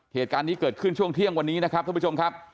เหตุการณ์นี้เกิดขึ้นช่วงเที่ยงวันนี้นะครับท่านผู้ชมครับ